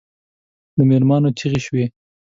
د مېرمنو چیغې شوې.